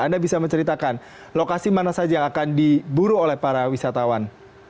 anda bisa menceritakan lokasi mana saja yang akan diburu oleh para wisatawan